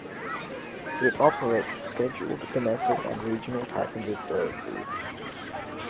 It operates scheduled domestic and regional passenger services.